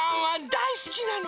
だいすきなの！